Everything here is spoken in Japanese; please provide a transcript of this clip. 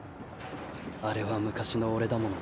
あれは昔の俺だものな。